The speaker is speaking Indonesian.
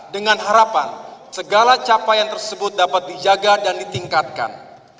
dengan harapan segala capaian tersebut dapat dijaga dan ditingkatkan